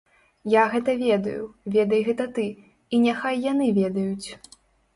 Я гэта ведаю, ведай гэта ты, і няхай яны ведаюць.